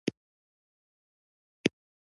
د لویو دېوانو په جنګ ورځي.